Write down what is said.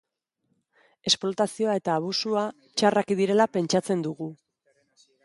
Esplotazioa eta abusua txarrak direla pentsatzen dugu.